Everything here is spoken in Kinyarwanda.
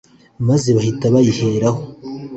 ’ maze bahita bayiheraho